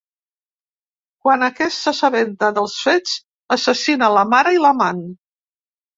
Quan aquest s’assabenta dels fets, assassina la mare i l’amant.